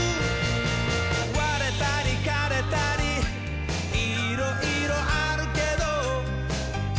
「われたりかれたりいろいろあるけど」